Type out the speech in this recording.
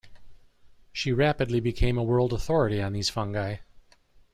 She rapidly became a world authority on these fungi.